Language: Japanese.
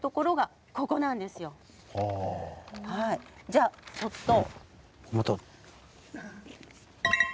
じゃあちょっと。